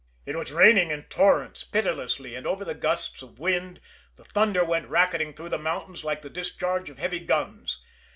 It was raining in torrents, pitilessly, and, over the gusts of wind, the thunder went racketing through the mountains like the discharge of heavy guns.